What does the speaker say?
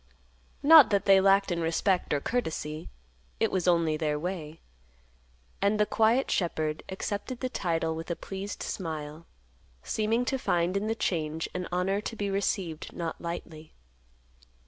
Not that they lacked in respect or courtesy; it was only their way. And the quiet shepherd accepted the title with a pleased smile, seeming to find in the change an honor to be received not lightly.